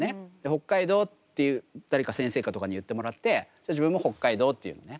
北海道って誰か先生とかに言ってもらって自分も北海道って言うのね。